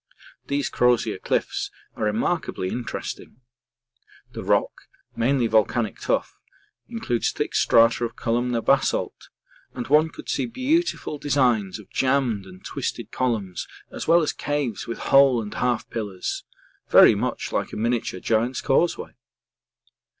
These Crozier cliffs are remarkably interesting. The rock, mainly volcanic tuff, includes thick strata of columnar basalt, and one could see beautiful designs of jammed and twisted columns as well as caves with whole and half pillars very much like a miniature Giant's Causeway.